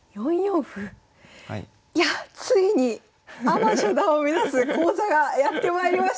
いやついにアマ初段を目指す講座がやってまいりました